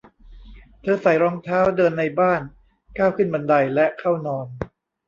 เธอใส่รองเท้าเดินในบ้าน ก้าวขึ้นบันได และเข้านอน